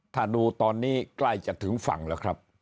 ถ้าดูตอนนี้ใกล้จะถึงฝั่งแล้วครับ